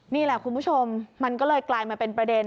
นี่แหละคุณผู้ชมมันก็เลยกลายมาเป็นประเด็น